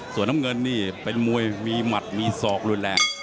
ส่วนน้ำเงินนี่เป็นมวยมีหมัดมีศอกรุนแรง